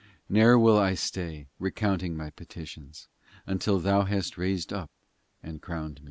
Ne er will I stay, Recounting my petitions, Until Thou hast raised up and crowndd me